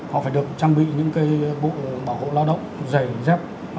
họ phải được trang bị những bộ bảo hộ lao động giày dép